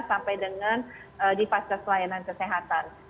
sampai dengan di pasar pelayanan kesehatan